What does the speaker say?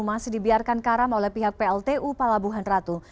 masih dibiarkan karam oleh pihak pltu palabuhan ratu